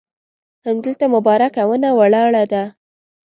همدلته مبارکه ونه ولاړه ده.